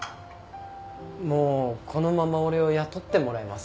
もうこのまま俺を雇ってもらえませんかね？